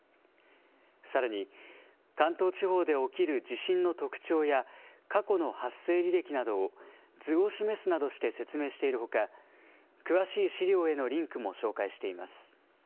さらに関東地方で起きる地震の特徴や過去の発生履歴などを図を示すなどして説明しているほか詳しい資料へのリンクも紹介しています。